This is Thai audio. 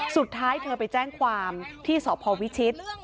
สุดท้ายเธอไปแจ้งความที่สพวิชิต